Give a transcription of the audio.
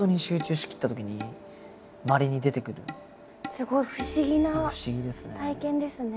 すごい不思議な体験ですね。